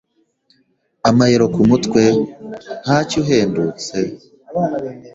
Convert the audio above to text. Amayero kumutwe? Ntacyo uhendutse?